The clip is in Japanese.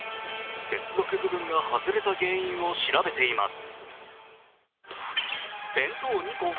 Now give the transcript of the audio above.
接続部分が外れた原因を調べています。